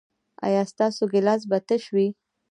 ایا ستاسو ګیلاس به تش وي؟